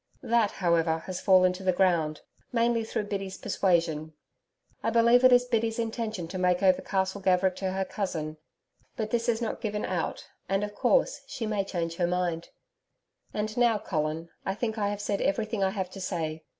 That, however, has fallen to the ground mainly through Biddy's persuasion. I believe it is Bridget's intention to make over Castle Gaverick to her cousin, but this is not given out and of course she may change her mind. And now, Colin, I think I have said everything I have to say.